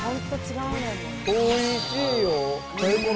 おいしいよ。